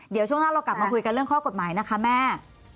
เดี๋ยวช่วงหน้าเรากลับมาคุยกันเรื่องข้อกฎหมายนะคะแม่